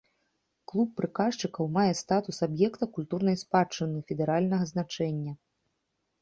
Клуб прыказчыкаў мае статус аб'екта культурнай спадчыны федэральнага значэння.